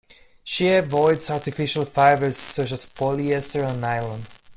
She avoids artificial fibres such as polyester or nylon.